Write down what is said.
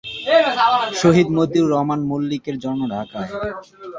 শহীদ মতিউর রহমান মল্লিকের জন্ম ঢাকায়।